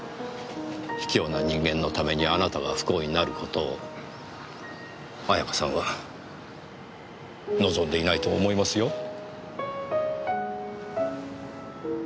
卑怯な人間のためにあなたが不幸になる事を綾香さんは望んでいないと思いますよ。